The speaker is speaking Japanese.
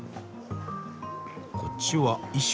こっちは衣装？